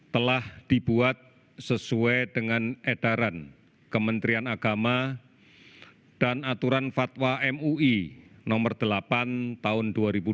telah dibuat sesuai dengan edaran kementerian agama dan aturan fatwa mui nomor delapan tahun dua ribu dua puluh